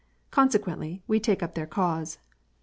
Consequently, we take up their cause.